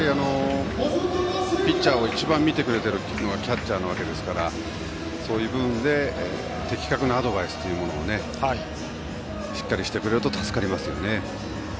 ピッチャーを一番見てくれているのがキャッチャーなわけですからそういう部分で的確なアドバイスをしっかりしてくれると助かりますよね。